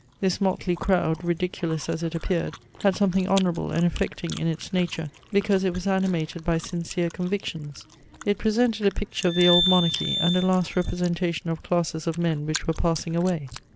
This motley crowd, ridiculous as it appeared, had something honourable and affecting in its nature, because it was animated by sincere convictions ; it presented a picture of the oki monarchy, and a last representation of classes of men which were passing away.